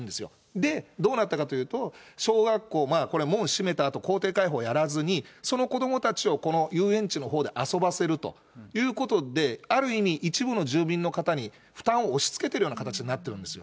で、どうなったかというと、小学校、これ、門閉めたあと、校庭開放やらずに、その子どもたちをこの遊園地のほうで遊ばせるということで、ある意味、一部の住民の方に負担を押し付けてるような形になってるんですよ。